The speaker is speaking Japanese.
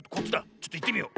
ちょっといってみよう。